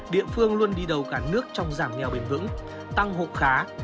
địa phương luôn đi đầu cả nước trong giảm nghèo bền vững tăng hộ khá